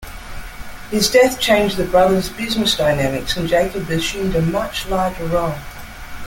His death changed the brother's business dynamics and Jacob assumed a much larger role.